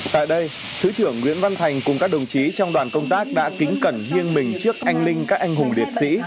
tại đây thứ trưởng nguyễn văn thành cùng các đồng chí trong đoàn công tác đã kính cẩn nghiêng mình trước anh linh các anh hùng liệt sĩ